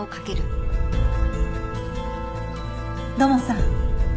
土門さん